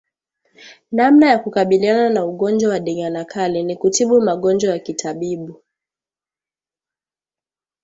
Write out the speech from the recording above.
Namna ya kukabiliana na ugonjwa wa ndigana kali ni kutibu magonjwa ya kitabibu